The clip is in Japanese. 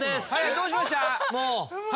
どうしました？